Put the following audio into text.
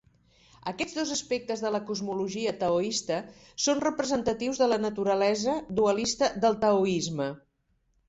Aquests dos aspectes de la cosmologia taoista són representatius de la naturalesa dualista del Taoisme.